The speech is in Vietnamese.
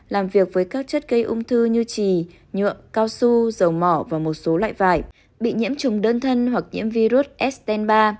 làm việc với các chất gây ung thư như trì nhựa cao su dầu mỏ và một số loại vải bị nhiễm trùng đơn thân hoặc nhiễm virus sten ba